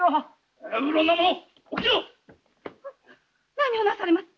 何をなされます！？